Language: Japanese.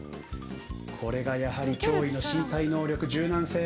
これがやはり驚異の身体能力柔軟性。